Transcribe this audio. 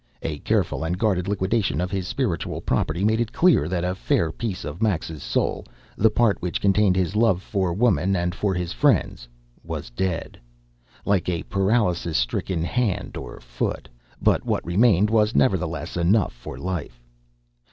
A careful and guarded liquidation of his spiritual property made it clear that a fair piece of Max's soul, the part which contained his love for woman and for his friends, was dead, like a paralysis stricken hand or foot. But what remained was, nevertheless, enough for life.